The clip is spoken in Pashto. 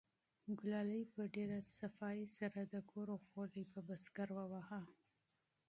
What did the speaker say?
ګلالۍ په ډېرې پاکۍ سره د کور انګړ جارو کړ.